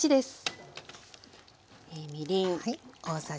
みりん。